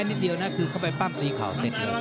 นิดเดียวนะคือเข้าไปปั้มตีเข่าเสร็จเลย